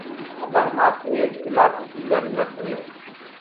اَب همآنڪوٚ ايڪَ پِلآٽو ڪيٚ جروٚرت هي۔